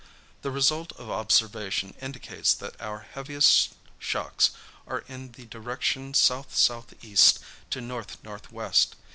The result of observation indicates that our heaviest shocks are in the direction south southeast to north northwest.